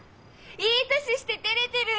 いい年しててれてる！